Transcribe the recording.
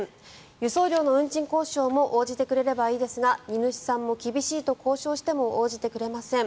輸送料の運賃交渉も応じてくれればいいですが荷主さんも厳しいと交渉しても応じてくれません。